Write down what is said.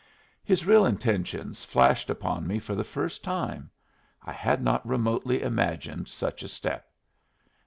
His real intentions flashed upon me for the first time. I had not remotely imagined such a step.